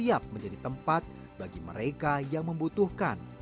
siap menjadi tempat bagi mereka yang membutuhkan